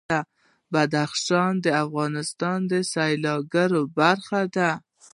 بدخشان د افغانستان د سیلګرۍ برخه ده.